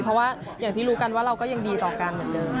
เพราะว่าอย่างที่รู้กันว่าเราก็ยังดีต่อกันเหมือนเดิม